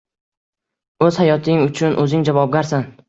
O‘z hayoting uchun o‘zing javobgarsan.